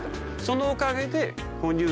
そのおかげで。